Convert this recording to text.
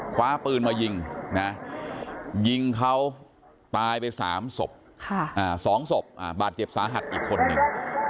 คว้าปืนมายิงนะยิงยิงเขาตายไป๓ศพ๒ศพบาดเจ็บสาหัสอีกคนนึง